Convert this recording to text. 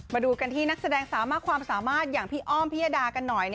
มาดูกันที่นักแสดงสามารถความสามารถอย่างพี่อ้อมพิยดากันหน่อย